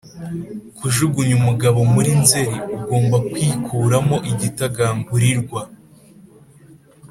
kujugunya umugabo muri nzeri, ugomba kwikuramo igitagangurirwa